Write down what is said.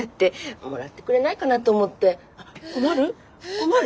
困る？